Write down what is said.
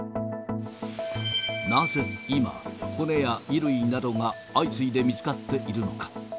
なぜ今、骨や衣類などが相次いで見つかっているのか。